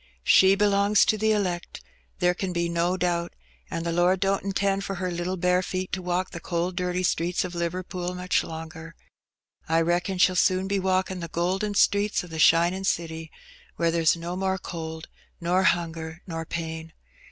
''She belongs to the elect, there ken be no doubt, an^ the Lord don't intend for her little bare feet to walk the cold, dirty streets o' Liverpool much longer. I reckon she'll soon be walking the golden streets o' the shinin' city, where there's no more cold, nor hunger, nor pain.